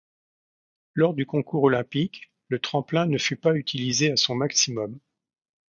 Lors du concours olympique, le tremplin ne fut pas utilisé à son maximum.